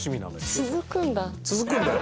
続くんだよ。